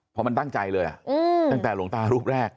พอมันตั้งใจเลยตั้งแต่หลวงตารูปแรก